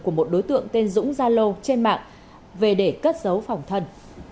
của một đối tượng tên dũng gia lô trên mạng về để cất giấu phòng thân